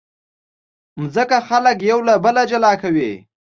مځکه خلک یو له بله جلا کوي.